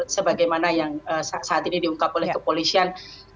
sebagaimana yang saat ini diungkap oleh kepolisian